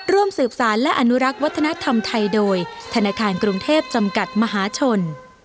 ร่วมสืบสารและอนุรักษ์วัฒนธรรมไทยโดยธนาคารกรุงเทพจำกัดมหาชน